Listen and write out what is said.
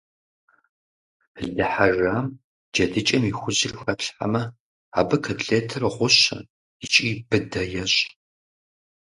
Лы хьэжам джэдыкӀэм и хужьыр хэплъхьэмэ, абы котлетыр гъущэ икӀи быдэ ещӀ.